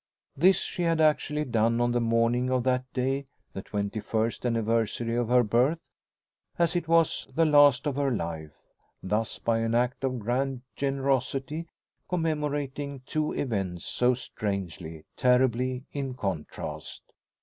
This she had actually done on the morning of that day, the twenty first anniversary of her birth, as it was the last of her life; thus by an act of grand generosity commemorating two events so strangely, terribly, in contrast!